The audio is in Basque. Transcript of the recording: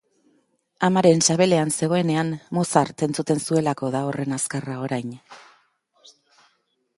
Amaren sabelean zegoenean Mozart entzuten zuelako da horren azkarra orain.